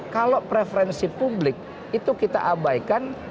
kalau preferensi publik itu kita abaikan